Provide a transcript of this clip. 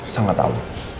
saya gak tau